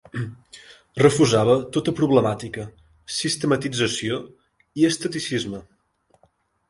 Refusava tota problemàtica, sistematització i esteticisme.